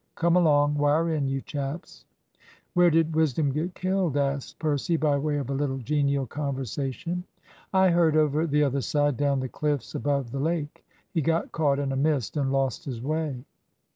Come along; wire in, you chaps." "Where did Wisdom get killed?" asked Percy, by way of a little genial conversation. "I heard over the other side, down the cliffs above the lake. He got caught in a mist and lost his way."